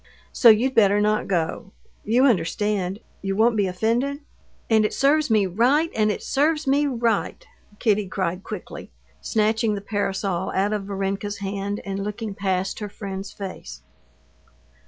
"So you'd better not go.... You understand; you won't be offended?..." "And it serves me right! And it serves me right!" Kitty cried quickly, snatching the parasol out of Varenka's hand, and looking past her friend's face.